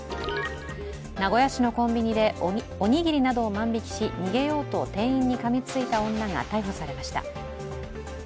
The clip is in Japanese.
名古屋市のコンビニでおにぎりなどを万引きし、逃げようと店員にかみついた女が逮捕されました。